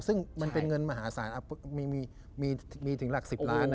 ซึ่งมันเป็นเงินมหาศาลมีถึงหลัก๑๐ล้าน